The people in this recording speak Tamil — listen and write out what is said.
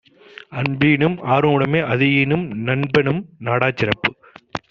அன்புஈனும் ஆர்வம் உடைமை; அதுஈனும் நண்புஎன்னும் நாடாச் சிறப்பு